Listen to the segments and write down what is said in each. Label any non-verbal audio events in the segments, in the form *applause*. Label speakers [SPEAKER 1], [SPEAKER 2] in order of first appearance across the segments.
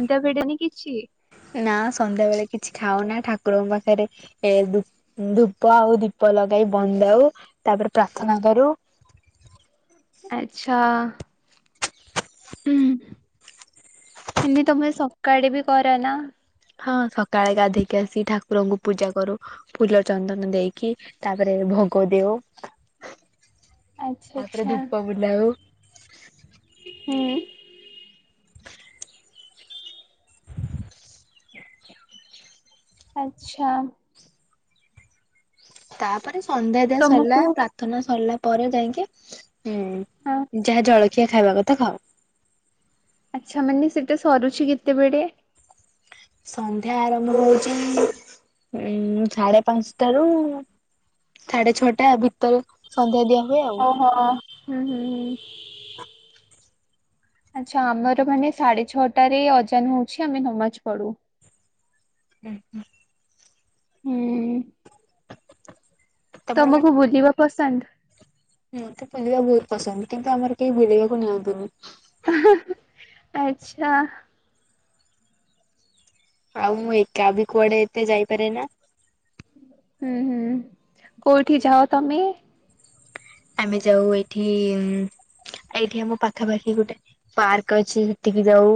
[SPEAKER 1] ଅଟା ଭିଡନି କିଛି
[SPEAKER 2] ନା ସନ୍ଧ୍ୟାବେଳେ କିଛି ଖାଉନା ଠାକୁରଙ୍କ ପାଖରେ ଏଃ ଧୂପ ଆଉ ଦୀପ ଲଗାଇ ବନ୍ଦାଉ ତାପରେ ପ୍ରାର୍ଥନା କରୁ।
[SPEAKER 1] ଆଛା ହୁଁ ଏମିତି ପୁରା ସକାଳେ ବି କର ନା?
[SPEAKER 2] ହଁ ସକାଳେ ଗାଧେଇକି ଆସି ଠାକୁରଙ୍କୁ ପୂଜା କରୁ। ଫୁଲ ଚନ୍ଦନ ଦେଇକି ତାପରେ ଭୋଗ ଦେଉ।
[SPEAKER 1] *inaudible*
[SPEAKER 2] ତାପରେ
[SPEAKER 1] ଆଚ୍ଛା
[SPEAKER 2] ଧୁପ ବୁଲାଉ।
[SPEAKER 1] ହୁଁ।
[SPEAKER 2] *unintelligible*
[SPEAKER 1] ଆଛା
[SPEAKER 2] ତାପରେ ସନ୍ଧ୍ୟା ଦିଆ ସରିଲା
[SPEAKER 1] ତମକୁ
[SPEAKER 2] ପ୍ରାର୍ଥନା ସରିଲା ତାପରେ ଯାଇକି
[SPEAKER 1] ହଁ
[SPEAKER 2] ହୁଁ ଯାହା ଜଳଖିଆ ଖାଇବା କଥା ଖାଉ।
[SPEAKER 1] ଆଚ୍ଛା ମାନେ ସେଟା ସରୁଛି କେତେବେଳେ?
[SPEAKER 2] ସନ୍ଧ୍ୟା ଆରମ୍ଭ ହଉଚି ଉଁ ସାଢେ ପାଞ୍ଚଟାରୁ ସାଢେ ଛଅଟା ଭିତରେ ସନ୍ଧ୍ୟା ଦିଆ ହୁଏ ଆଉ।
[SPEAKER 1] ଓହ ହୁଁ ହୁଁ ହୁଁ। ଆଛା ଆମର ମାନେ ସାଢେ ଛଅଟାରେ ଅଜାନ ହଉଛି ଆମେ ନମାଜ ପଢୁ।
[SPEAKER 2] ଉଁ ହୁଁ।
[SPEAKER 1] ହୁଁ
[SPEAKER 2] ତମର
[SPEAKER 1] ତମକୁ ବୁଲିବା ପସନ୍ଦ?
[SPEAKER 2] ମତେ ବୁଲିବା ବହୁତ ପସନ୍ଦ କିନ୍ତୁ ଆମର କେହି ବୁଲିବାକୁ ନିଅନ୍ତିନି।
[SPEAKER 1] ଆଚ୍ଛା
[SPEAKER 2] ଆଉ ମୁଁ ଏକା ବି କୁଆଡେ ଏତେ ଯାଇପାରେ ନା।
[SPEAKER 1] ଉଁ ହୁଁ, କୋଉଠି ଯାଅ ତମେ?
[SPEAKER 2] ଆମେ ଯାଉ ଏଇଠି ଏଇଠି ଆମ ପାଖାପାଖି ଗୋଟେ ପାର୍କ ଅଛି ସେଠିକି ଜାଉ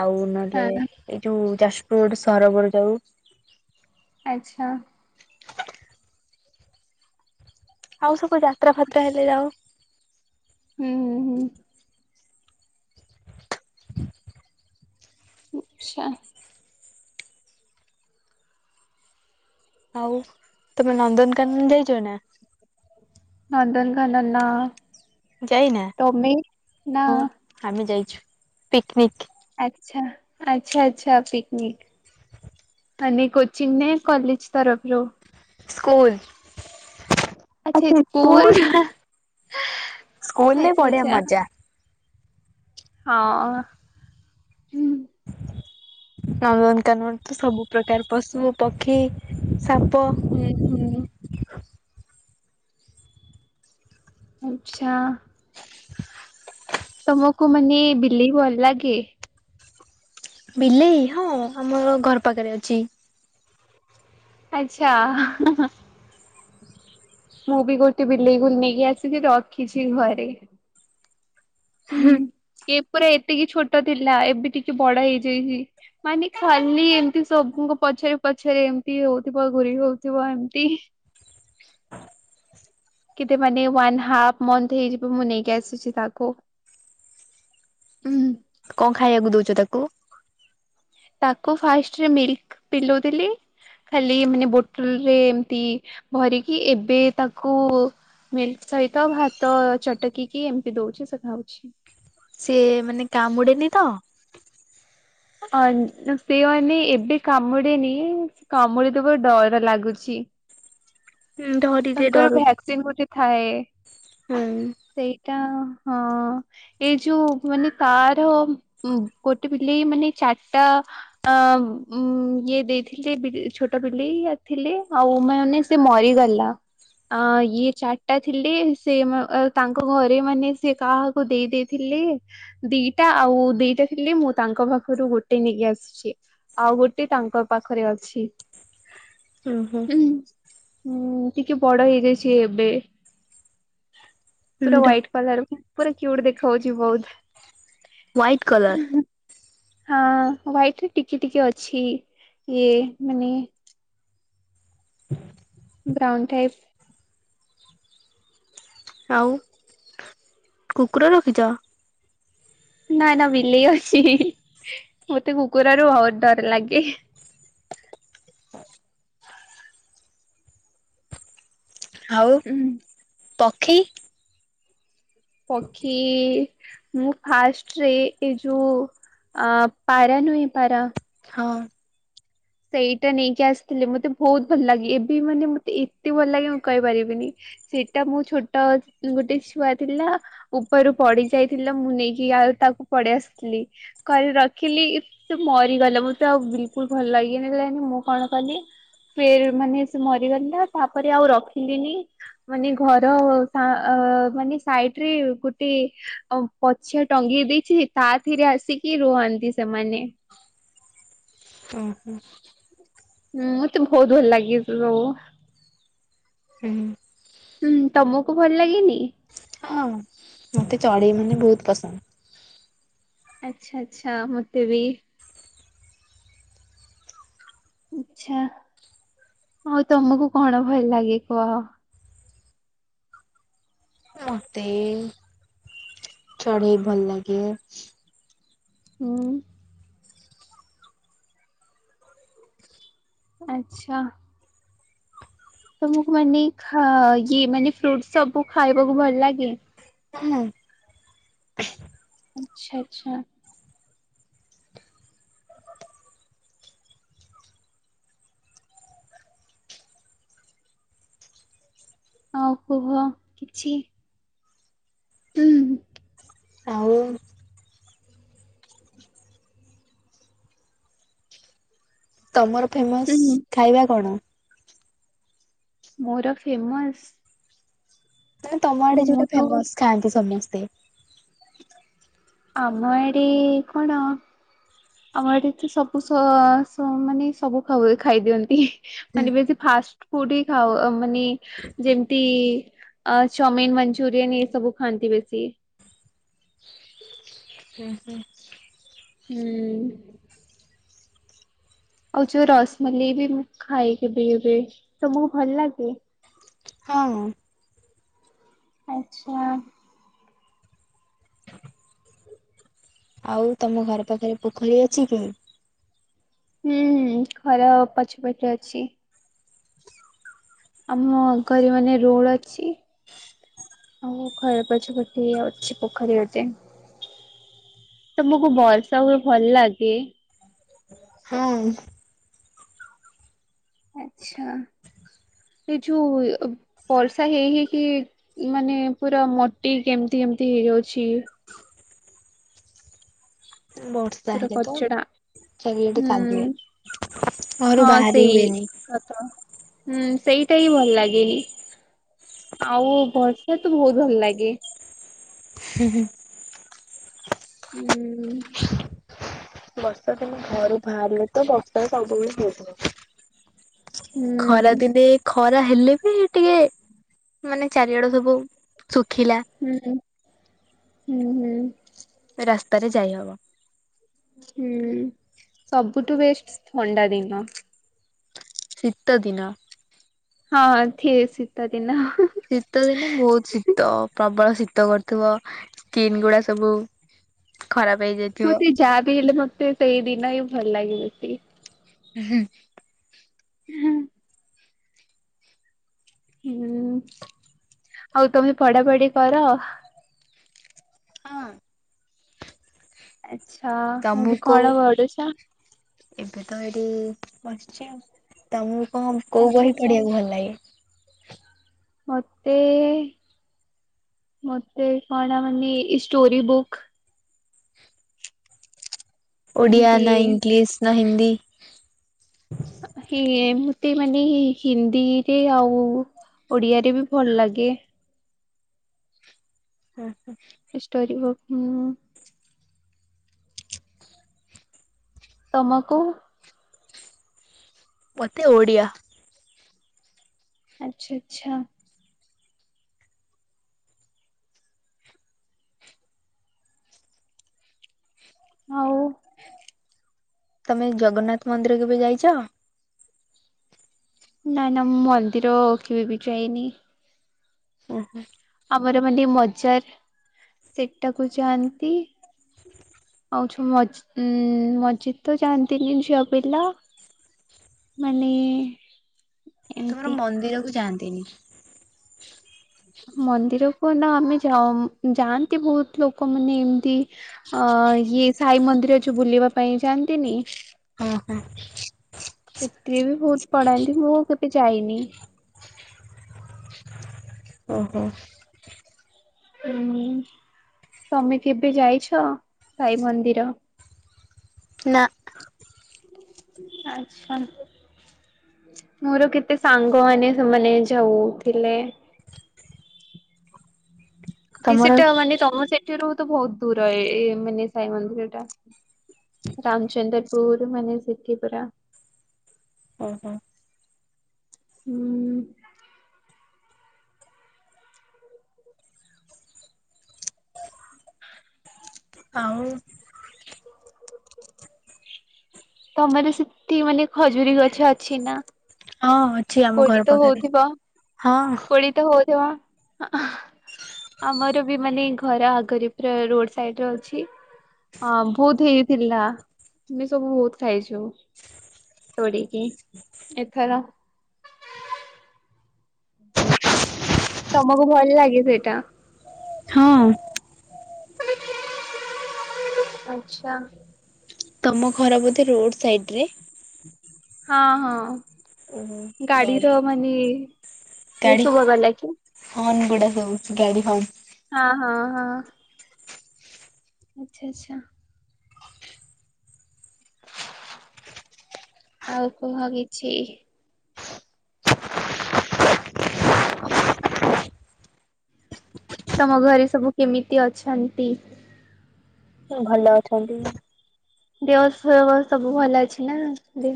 [SPEAKER 2] ଆଉ ନହେଲେ
[SPEAKER 1] ହଁ
[SPEAKER 2] ଏଇ ଯୋଉ ଯାଜପୁର ରୋଡ଼ ସରୋବର ଯାଉ।
[SPEAKER 1] ଆଚ୍ଛା।
[SPEAKER 2] ଆଉ ସବୁ ଯାତ୍ରା ଫାତ୍ରା ହେଲେ ଯାଉ।
[SPEAKER 1] ହୁଁ-ହୁଁ-ହୁଁ। ଆଛା।
[SPEAKER 2] ଆଉ ତମେ ନନ୍ଦନକାନନ ଯାଇଚ କି ନାଇଁ?
[SPEAKER 1] ନନ୍ଦନକାନନ
[SPEAKER 2] ଯାଇନା? ହଁ ଆମେ ଯାଇଛୁ ପିକ୍ନିକ୍।
[SPEAKER 1] ଆଚ୍ଛା, ଆଚ୍ଛା-ଆଚ୍ଛା ପିକ୍ନିକ୍। ମାନେ କୋଚିଂ ନା ଏଇ କଲେଜ୍ ତରଫରୁ?
[SPEAKER 2] ସ୍କୁଲ୍।
[SPEAKER 1] ଆଚ୍ଛା ସ୍କୁଲ୍ ହା।
[SPEAKER 2] ସ୍କୁଲରେ ବଢ଼ିଆ ମଜା।
[SPEAKER 1] ହଁ।
[SPEAKER 2] ନନ୍ଦନକାନନ ତ ସବୁ ପ୍ରକାର ପଶୁ, ପକ୍ଷୀ, ସାପ
[SPEAKER 1] ହୁଁ-ହୁଁ। ଆଚ୍ଛା। ତମକୁ ମାନେ ବିଲେଇ ଭଲ୍ ଲାଗେ?
[SPEAKER 2] ବିଲେଇ ହଁ ଆମର ଘର ପାଖରେ ଅଛି।
[SPEAKER 1] ଆଚ୍ଛା *unintelligible* ମୁଁ ବି ଗୋଟେ ବିଲେଇକୁ ନେଇକି ଆସିକି ରଖିଛି ଘରେ। ସିଏ ପୁରା ଏତିକି ଛୋଟ ଥିଲା, ଏବେ ଟିକେ ବଡ଼ ହେଇଯାଇଚି। ମାନେ ଖାଲି ଏମତି ସବୁଙ୍କ ପଛରେ-ପଛରେ ଏମିତି ହଉଥିବ ଘୁରେ ହଉଥିବ ଏମତି। କେତେ ମାନେ ୱାନ ହାଫ୍ ମନ୍ଥ ହେଇଯିବ ମୁଁ ନେଇକି ଆସିଛି ତାକୁ। ହୁଁ-ହୁଁ।
[SPEAKER 2] କଣ ଖାଇଆକୁ ଦଉଚ ତାକୁ?
[SPEAKER 1] ତାକୁ ଫାଷ୍ଟରେ ମିଲ୍କ ପିଲଉଥିଲି। ଖାଲି ମାନେ ବୋଟଲରେ ଏମତି ଭରିକି, ଏବେ ତାକୁ ମିଲ୍କ ସହିତ ଭାତ ଚଟକିକି ଏମିତି ଦଉଚି ସେ ଖାଉଛି।
[SPEAKER 2] ସିଏ ମାନେ କାମୁଡେନି ତ?
[SPEAKER 1] ସେ ମାନେ ଏବେ କାମୁଡେନି ସେ କାମୁଡିଦବ ଡର ଲାଗୁଚି।
[SPEAKER 2] ଡରିରେ
[SPEAKER 1] ତାଙ୍କର
[SPEAKER 2] ଡରୁ
[SPEAKER 1] ଭ୍ୟାକ୍ସିନ୍ ଗୋଟେ ଥାଏ
[SPEAKER 2] ହୁଁ।
[SPEAKER 1] ସେଇ ଏଟା ହଁ ଏଇ ଯୋଉ ମାନେ ତାର ଗୋଟେ ବିଲେଇ ମାନେ ଚାରଟା ଅ ଇଏ ଦେଇଥିଲେ ଛୋଟ ବିଲେଇ ଥିଲେ ଆଉ ମାନେ ସେ ମରିଗଲା। ଆ ଇଏ ଚାରିଟା ଥିଲେ ସେ ତାଙ୍କ ଘରେ ମାନେ ସେ କାହାକୁ ଦେଇ-ଦେଇ ଥିଲେ ଦିଟା ଆଉ ଦିଟା ଥିଲେ ମୁଁ ତାଙ୍କ ପାଖରୁ ଗୋଟେ ନେଇକି ଆସିଚି, ଆଉ ଗୋଟେ ତାଙ୍କ ପାଖରେ ଅଛି।
[SPEAKER 2] ହୁଁ-ହୁଁ।
[SPEAKER 1] ହୁଁ-ହୁଁ ଟିକେ ବଡ ହେଇଯାଇଛି ଏବେ।
[SPEAKER 2] ହୁଁ
[SPEAKER 1] ପୁରା
[SPEAKER 2] ଧ
[SPEAKER 1] ହ୍ୱାଇଟ୍ କଲର୍ ପୁରା କ୍ୟୁଟ୍ ଦେଖାହଉଚି ବହୁତ୍।
[SPEAKER 2] White colour?
[SPEAKER 1] ହଁ ହ୍ୱାଇଟ୍ ରେ ଟିକେ-ଟିକେ ଅଛି ଇଏ ମାନେ ବ୍ରାଉନ୍ ଟାଇପ୍।
[SPEAKER 2] ଆଉ କୁକୁର ରଖିଚ?
[SPEAKER 1] ନା-ନା ବିଲେଇ ଅଛି, ମତେ କୁକୁରରୁ ବହୁତ୍ ଡର ଲାଗେ।
[SPEAKER 2] ଆଉ
[SPEAKER 1] ଉଁ,
[SPEAKER 2] ପକ୍ଷୀ?
[SPEAKER 1] ପକ୍ଷୀ ମୁଁ ଫାଷ୍ଟରେ ଏଇ ଯୋଉ ଅ ପାରା ନୁହେଁ, ପାରା
[SPEAKER 2] ହଁ।
[SPEAKER 1] ସେଇଟା ନେଇକି ଆସିଥିଲେ, ମତେ ବହୁତ୍ ଭଲ ଲାଗେ, ଏବେ ମାନେ ମତେ ଏତେ ଭଲ ଲାଗେ ମୁଁ କହିପାରିବିନି। ସେଇଟା ମୋ ଛୋଟ ଗୋଟେ ଛୁଆ ଥିଲା। ଉପରୁ ପଡି ଯାଇଥିଲା, ମୁଁ ନେଇକି ଆଉ ତାକୁ ପଡେଇ ଆସିଥିଲି। କରି ରଖିଲି ସେ ମରିଗଲା ମତେ ଆଉ ବିଲକୁଲ ଭଲ ଲା ଇଏ ନେଲାନି ମୁଁ କଣ କଲି ଫିର ମାନେ ସେ ମରିଗଲା ତାପରେ ଆଉ ରଖିଲିନି। ମାନେ ଘର ଅ ସା ଅ ମାନେ ସାଇଡ ରେ ଗୋଟେ ଅ ପଛ ଟଙ୍ଗେଇ ଦେଇଛି ତାଥିରେ ଆସିକି ରୁହନ୍ତି ସେମାନେ।
[SPEAKER 2] ଅ ହୁଁ
[SPEAKER 1] ହୁଁ ମତେ ବହୁତ ଭଲ ଲାଗେ ଏ ସବୁ
[SPEAKER 2] ହୁଁ ଉଁ
[SPEAKER 1] ହୁଁ ତମକୁ ଭଲ ଲାଗେନି?
[SPEAKER 2] ହଁ ମତେ ଚଢେଇ ମାନେ ବହୁତ ପସନ୍ଦ।
[SPEAKER 1] ଆଛା, ଆଛା ମତେ ବି। ଆଛା, ଆଉ ତମକୁ କଣ ଭଲ ଲାଗେ କୁହ?
[SPEAKER 2] ମତେ ଏଇ ଚଢେଇ ଭଲ ଲାଗେ।
[SPEAKER 1] ହୁଁ ଆଛା। ତମକୁ ମାନେ ଖ ଇଏ ମାନେ, ଫ୍ରୁଟ ସବୁ ଖାଇବାକୁ ଭଲ ଲାଗେ?
[SPEAKER 2] ନା ନା
[SPEAKER 1] ଆଛା ଆଛା। ଆଉ କୁହ କିଛି। ହୁଁ।
[SPEAKER 2] ଆଉ ତମର ଫେମସ୍
[SPEAKER 1] ହୁଁ
[SPEAKER 2] ଖାଇବା କଣ?
[SPEAKER 1] ମୋର ଫେମସ
[SPEAKER 2] ମାନେ ତମ ଆଡେ
[SPEAKER 1] ମୁଁ
[SPEAKER 2] ଯୋଉଟା
[SPEAKER 1] ତ
[SPEAKER 2] ଫେମସ ଖାଆନ୍ତି ସମସ୍ତେ।
[SPEAKER 1] ଆମ ଆଡେ କଣ? ଆମ ଆଡେ ସବୁ ସ ସ ମାନେ ସବୁ ଖାଉ ଖାଇ ଦିଅନ୍ତି
[SPEAKER 2] ହୁଁ
[SPEAKER 1] ମାନେ ବେ ଫାଷ୍ଟ ଫୁଡ ହି ଖାଉ ମାନେ ଯେମିତି। ଅ ଚାଉମିିନ, ମଞ୍ଚୁରିୟନ ଏଇ ସବୁ ଖାଆନ୍ତି ବେଶୀ।
[SPEAKER 2] ହୁଁ ହୁଁ
[SPEAKER 1] ହୁଁ ଆଉ ଯୋଉ ରସମଲେଇ ବି ମୁଁ ଖାଏ କେବେ କେବେ ତମକୁ ଭଲ ଲାଗେ?
[SPEAKER 2] ହଁ
[SPEAKER 1] ଆଛା
[SPEAKER 2] ଆଉ ତମ ଘର ପାଖରେ ପୋଖରୀ ଅଛି କି?
[SPEAKER 1] ହୁଁ ଘର ପଛପଟେ ଅଛି। ଆମ ଘରେ ମାନେ *unintelligible* ଅଛି। ଆଉ ଘର ପଛ ପଟେ ଅଛି ପୋଖରୀ ଗୋଟେ। ତମକୁ ବର୍ଷା ହୁଏ ଭଲ ଲାଗେ?
[SPEAKER 2] ନାଇଁ।
[SPEAKER 1] ଆଛା ଏ ଯଉ ବର୍ଷା ହେଇ ହେଇକି ମାନେ ପୁରା ମୋଟି କେମିତି କେମତି ହେଇଯାଉଛି।
[SPEAKER 2] ବର୍ଷା
[SPEAKER 1] ପୁରା
[SPEAKER 2] ହେଲେ ତ
[SPEAKER 1] କଚଡା
[SPEAKER 2] ଚାରି ଆଡେ
[SPEAKER 1] ହୁଁ
[SPEAKER 2] କାଦୁଅ ଘରୁ
[SPEAKER 1] ହଁ
[SPEAKER 2] ବାହାରି
[SPEAKER 1] ସେଇ
[SPEAKER 2] ହୁଏନି।
[SPEAKER 1] ହୁଁ ସେଇଟା ହିଁ ଭଲ ଲାଗେନି। ଆଉ ବର୍ଷା ତ ବହୁତ ଭଲ ଲାଗେ।
[SPEAKER 2] ହେ ହେ।
[SPEAKER 1] ଉଁ।
[SPEAKER 2] ବର୍ଷା ଦିନ ଘରୁ ବାହାରିଲେ ତ ବର୍ଷା ସବୁ ବେଳେ ହେଉଥିବ।
[SPEAKER 1] ହୁଁ।
[SPEAKER 2] ଖରା ଦିନେ ଖରା ହେଲେ ବି, ଟିକେ ମାନେ ଚାରିଆଡେ ସବୁ ଶୁଖିଲା।
[SPEAKER 1] ହୁଁ -ହୁଁ -ହୁଁ
[SPEAKER 2] ରାସ୍ତାରେ ଯାଇହବ।
[SPEAKER 1] ହୁଁ ସବୁଠୁ ବେଷ୍ଟ ଥଣ୍ଡା ଦିନ।
[SPEAKER 2] ଶୀତଦିନ।
[SPEAKER 1] ହଁ ସିତ ଦିନ।
[SPEAKER 2] ଶୀତଦିନେ ବହୁତ ଶୀତ ପ୍ରବଳ ଶୀତ କରୁଥିବ। ସ୍କିନ୍ ଗୁଡା ସବୁ ଖରାପ ହେଇଯାଇଥିବ।
[SPEAKER 1] ଚାହା ବିି ହେଲେ ମତେ ସେଇ ଦିନ ହିଁ ଭଲ ଲାଗ ବେଶୀ
[SPEAKER 2] ହୁଁ।
[SPEAKER 1] ହୁଁ। ହୁଁ, ଆଉ ତମେ ପଢାପଢି କର।
[SPEAKER 2] ହଁ।
[SPEAKER 1] ଆଛା ଏବେ କଣ ବଡୁଛ।
[SPEAKER 2] ଏବେ ତ ଏଇଠି ବସିଛି, ଆ ତମକୁ କଣ କୋଉ
[SPEAKER 1] ଆଚ୍ଛା
[SPEAKER 2] ବହି
[SPEAKER 1] ଆଚ୍ଛା
[SPEAKER 2] ପଢିବାକୁ ଭଲ ଲାଗେ।
[SPEAKER 1] ମତେ, ମତେ କଣ ମାନେ ଷ୍ଟୋରି ବୁକ୍
[SPEAKER 2] ଓଡ଼ିଆ,
[SPEAKER 1] ଏମିତି
[SPEAKER 2] ନା ଇଂଲିଶ ନା ହିନ୍ଦୀ।
[SPEAKER 1] ହେ ମତେ ମାନେ ହିନ୍ଦୀରେ ଆଉ ଓଡ଼ିଆରେ ବି ଭଲ ଲାଗେ।
[SPEAKER 2] ହଁ -ହଁ
[SPEAKER 1] ଷ୍ଟୋରି ବୁକ୍ ହ। ତମକୁ?
[SPEAKER 2] ମତେ ଓଡିଆ।
[SPEAKER 1] ଆଚ୍ଛା ଆଛା। ହଉ।
[SPEAKER 2] ତମେ ଜଗନ୍ନାଥ ମନ୍ଦିର କେବେ ଯାଇଛ।
[SPEAKER 1] ନାଇଁ ନା ମୁଁ ମନ୍ଦିର କେବେ ବି ଯାଇନି।
[SPEAKER 2] ହୁ -ହୁଁ
[SPEAKER 1] ଆମର ମାନେ ମଜାର ସେଟାକୁ ଯାଆନ୍ତି। ଆଉ ଛ ମ ମସ୍ଜିଦ୍ ତ ଯାଆନ୍ତିନି ଝିଅ ପିଲା ମାନେ,
[SPEAKER 2] ତୁମର
[SPEAKER 1] ଏମିତି
[SPEAKER 2] ମନ୍ଦିର କୁ ଯାଆନ୍ତିନି।
[SPEAKER 1] ମନ୍ଦିର କୁ ନା ଆମେ ଯ ଯାଆନ୍ତି, ବହୁତ ଲୋକମାନେ ଏମିତି ଅ ଇଏ ସାଇ ମନ୍ଦିର ଯୋଉ ବୁଲିବା ପାଇଁ ଯାଆନ୍ତିନି।
[SPEAKER 2] ହଁ- ହଁ
[SPEAKER 1] ସେଥିରେ ବି ବହୁତ ପଢାନ୍ତି ମୁଁ କେବେ ଯାଇନି।
[SPEAKER 2] ଓହୋ।
[SPEAKER 1] ହୁଁ ତମେ କେବେ ଯାଇଛ, ସାଇ ମନ୍ଦିର।
[SPEAKER 2] ନା।
[SPEAKER 1] ଆଚ୍ଛା। ମୋର କେତେ ସାଙ୍ଗମାନେ ସେମାନେ ଯାଉଥିଲେ।
[SPEAKER 2] ତମର
[SPEAKER 1] ସେଟା ମାନେ ତମ ସେଠରୁ ତ ବହୁତ ଦୂର ଏ ମାନେ ସାଇ ମନ୍ଦିର ଟା। ରାମଚନ୍ଦ୍ରପୁର ମାନେ ସିଦ୍ଧିପୁରା।
[SPEAKER 2] ଓହୋ
[SPEAKER 1] ହୁଁ
[SPEAKER 2] ଆଉ
[SPEAKER 1] ତମର ସେଠି ମାନେ ଖଜୁରୀ ଗଛ ଅଛି ନା
[SPEAKER 2] ହଁ ଅଛି ଆମ
[SPEAKER 1] କୋଳି
[SPEAKER 2] ଘର
[SPEAKER 1] ତ
[SPEAKER 2] ପାଖରେ
[SPEAKER 1] ହଉଥିବ?
[SPEAKER 2] ହଁ।
[SPEAKER 1] କୋଳି ହଉଥିବ ଆହାଁ। ଆମର ବି ମାନେ ଘର ଆଗରେ ପୁରା ରୋଡ ସାଇଡରେ ଅଛି। ହଁ ବହୁତ ହେଇଥିଲା ଆମେ ସବୁ ବହୁତ ଖାଇଛୁ। ତୋଳିକିି ଏଥର ତମକୁ ଭଲ ଲାଗେ ସେଇଟା।
[SPEAKER 2] ହଁ
[SPEAKER 1] ଆଚ୍ଛା
[SPEAKER 2] ତମ ଘର ବୋଧେ ରୋଡ ସାଇଡରେ।
[SPEAKER 1] ହଁ ହଁ
[SPEAKER 2] ଓହୋ ଗାଡି
[SPEAKER 1] ଗାଡିର ମାନେ ଘେଁ
[SPEAKER 2] ଗାଡି
[SPEAKER 1] ଶୁଭା ଗଲା କି?
[SPEAKER 2] ହର୍ନ ଗୁଡା ହଉଛି ଗାଡି ହର୍ନ।
[SPEAKER 1] ହଁ ହଁ ହଁ ଆଚ୍ଛା ଆଚ୍ଛା ଆଉ କୁହ କିିଛି। ତମ ଘରେ ସବୁ କେମିତି ଅଛନ୍ତି?
[SPEAKER 2] ସବୁ ଭଲ ଅଛନ୍ତି।
[SPEAKER 1] ଦେହ ଫେଅ ସବୁ ଭଲ ଅଛି ନା *inaudible*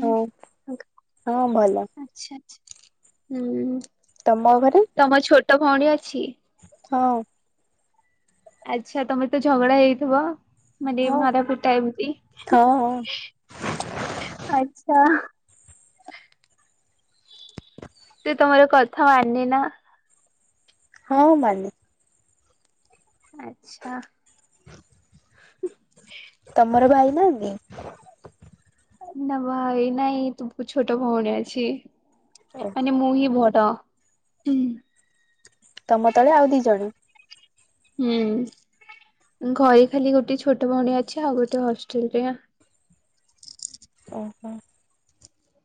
[SPEAKER 2] ହଁ ହଁ ଭଲ।
[SPEAKER 1] ଆଚ୍ଛା ହୁଁ
[SPEAKER 2] ତମ ଘରେ।
[SPEAKER 1] ତମ ଛୋଟ ଭଉଣୀ ଅଛି।
[SPEAKER 2] ହଁ
[SPEAKER 1] ଆଚ୍ଛା ତମେ ତ ଝଗଡା ହେଇଥିବ ମାନେ
[SPEAKER 2] ହଁ।
[SPEAKER 1] ମାରାପିଟା ଏମତି ହିଁ
[SPEAKER 2] ହଁ ହଁ
[SPEAKER 1] ହିଁ ଆଚ୍ଛା ସେ ତମର କଥା ମାନେ ନା।
[SPEAKER 2] ହଁ ମାନେ।
[SPEAKER 1] ଆଚ୍ଛା ହୁଁ
[SPEAKER 2] ତମର ଭାଇ ନାଆନ୍ତି।
[SPEAKER 1] ନା ଭାଇ ନାଇଁ ତୁପୁ ଛୋଟ ଭଉଣୀ ଅଛି।
[SPEAKER 2] ଓ
[SPEAKER 1] ମାନେ ମୁହି ବଡ ହୁଁ ହୁଁ
[SPEAKER 2] ତମ ତଳେ ଆଉ ଦି ଜଣ।
[SPEAKER 1] ହୁଁ ଘରେ ଖାଲି ଗୋଟେ ଛୋଟ ଭଉଣୀ ଅଛି ଆଉ ଗୋଟେ ହଷ୍ଟେଲରେ।
[SPEAKER 2] ଓହୋ